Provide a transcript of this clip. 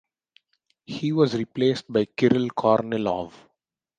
He was replaced by Kirill Kornilov.